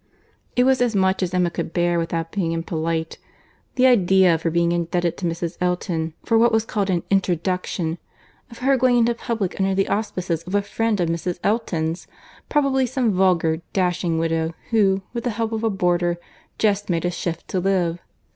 It was as much as Emma could bear, without being impolite. The idea of her being indebted to Mrs. Elton for what was called an introduction—of her going into public under the auspices of a friend of Mrs. Elton's—probably some vulgar, dashing widow, who, with the help of a boarder, just made a shift to live!